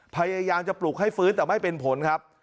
พยายามจะปลุกให้ฟื้นแต่ไม่เป็นผลครับ